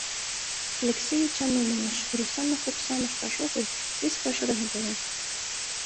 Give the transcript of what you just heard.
Элексей Эчан умылыш: Русанов оксам ышташ огыл, вес паша дене толын.